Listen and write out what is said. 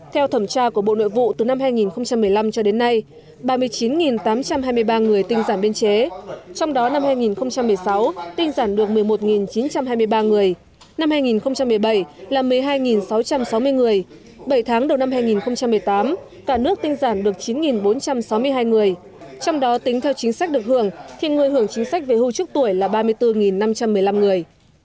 theo thẩm tra của bộ nội vụ từ năm hai nghìn một mươi năm cho đến nay ba mươi chín tám trăm hai mươi ba người tinh giản biên chế trong đó năm hai nghìn một mươi sáu tinh giản được một mươi một chín trăm hai mươi ba người năm hai nghìn một mươi bảy là một mươi hai sáu trăm sáu mươi người bảy tháng đầu năm hai nghìn một mươi tám cả nước tinh giản được chín bốn trăm sáu mươi hai người trong đó tính theo chính sách được hưởng thì người hưởng chính sách về hưu trúc tuổi là ba mươi bốn năm trăm một mươi năm người